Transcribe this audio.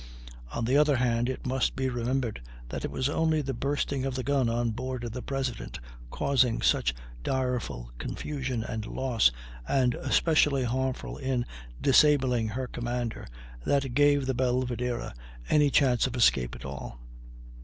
On the other hand it must be remembered that it was only the bursting of the gun on board the President, causing such direful confusion and loss, and especially harmful in disabling her commander, that gave the Belvidera any chance of escape at all.